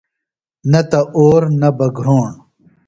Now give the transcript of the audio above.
نہ تہ اور نہ بہ گھروݨ۔